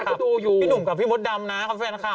ให้ผมดูนุ่มกับพี่มดดำนะครับแฟนคลับ